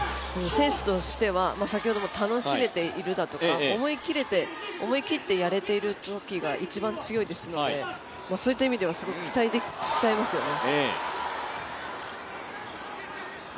選手としては、先ほども楽しめているだとか思い切ってやれているときが一番強いですので、そういった意味ではすごく期待しちゃいますよね。